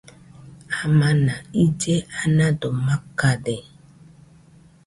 Amana ille anado makade